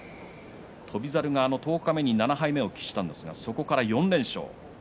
十日目に７敗目を喫したんですがそこから４連勝。